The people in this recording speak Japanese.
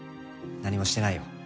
何もしてないよ。